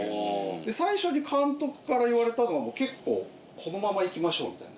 最初に監督から言われたのは「結構このまま行きましょう」みたいな。